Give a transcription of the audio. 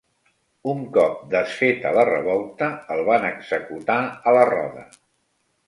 Un cop desfeta la revolta, el van executar a la roda.